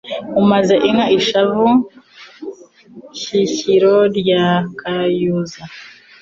Umaze inka ishavu I Shyikiro rya Kanyuza